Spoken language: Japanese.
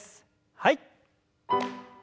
はい。